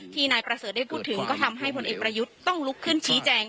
นายประเสริฐได้พูดถึงก็ทำให้ผลเอกประยุทธ์ต้องลุกขึ้นชี้แจง